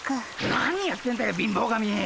何やってんだよ貧乏神！